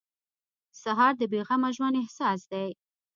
سهار د بې غمه ژوند احساس دی.